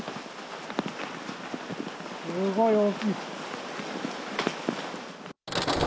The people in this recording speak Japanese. すごい大きい。